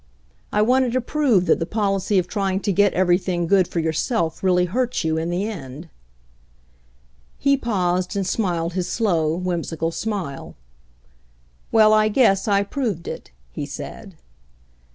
I wanted to prove that the policy of trying to get everything good for yourself really hurts you in the end/' He paused and smiled his slow, whimsical smile. "Well, I guess I proved it," he said.